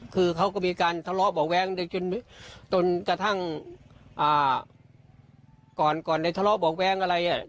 คือเขาก็มีการทะเลาะเบาะแว้งจนกระทั่งก่อนก่อนในทะเลาะเบาะแว้งอะไรอ่ะ